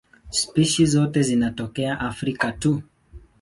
Spishi zote zinatokea Afrika tu.